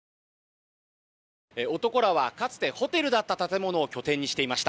男らはかつてホテルだった建物を拠点にしていました。